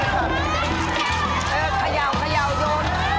เออขย่าวโยน